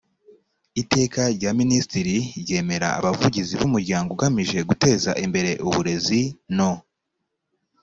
iteka rya minisitiri ryemera abavugizi b umuryango ugamije guteza imbere uburezi no